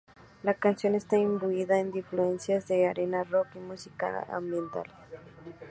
La canción está imbuida de influencias de arena rock y música ambiental.